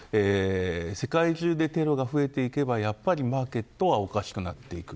世界中でテロが増えていけばやっぱりマーケットはおかしくなっていく。